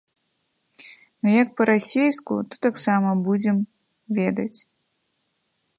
Ну як па-расейску, то таксама будзем ведаць.